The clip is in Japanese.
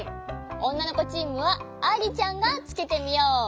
おんなのこチームはあいりちゃんがつけてみよう。